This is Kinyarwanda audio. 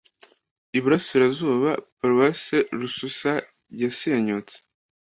iburasirazuba : paroisse rususa yasenyutse